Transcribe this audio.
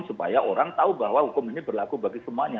supaya orang tahu bahwa hukum ini berlaku bagi semuanya